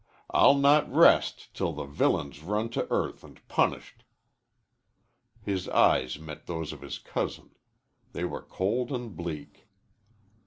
I'll not rest till the villain's run to earth and punished." His eyes met those of his cousin. They were cold and bleak.